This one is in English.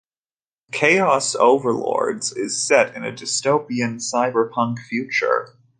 "Chaos Overlords" is set in a dystopian cyberpunk future.